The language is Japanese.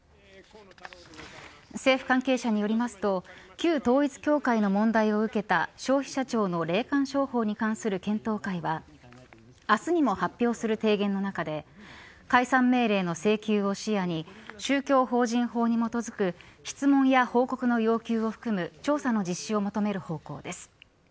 政府関係者によりますと旧統一教会の問題を受けた消費者庁の霊感商法に関する検討会は明日にも発表する提言の中で解散命令の請求を視野に宗教法人法に基づく質問や報告の要求を含む調査の実施を求める方向です。